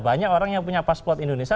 banyak orang yang punya paspor indonesia